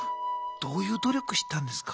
どういう努力したんですか？